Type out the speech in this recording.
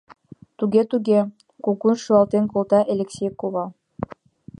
— Туге-туге, — кугун шӱлалтен колта Элексей кува.